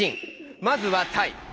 まずは「体」！